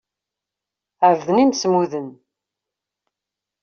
Ɛebden imsemmuden.